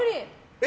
え？